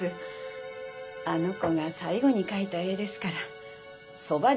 あの子が最後に描いた絵ですからそばに置いておきたくて。